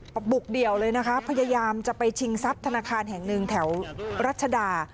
บุกเดี่ยวเลยนะคะพยายามจะไปชิงทรัพย์ธนาคารแห่งหนึ่งแถวรัชดา